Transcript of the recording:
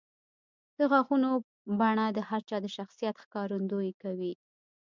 د غاښونو بڼه د هر چا د شخصیت ښکارندویي کوي.